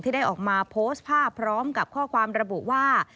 ได้ออกมาโพสต์ภาพพร้อมกับข้อความระบุว่า